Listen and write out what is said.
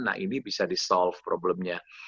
nah ini bisa di solve problemnya